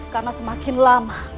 karena semakin lama